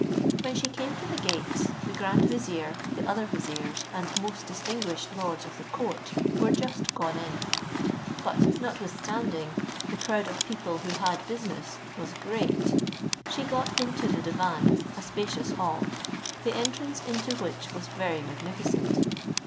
When she came to the gates, the grand vizier, the other viziers and most distinguished lords of the court, were just gone in; but, notwithstanding the crowd of people who had business was great, she got into the divan, a spacious hall, the entrance into which was very magnificent.